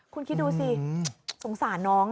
คุณคิดดูสิสงสารน้อง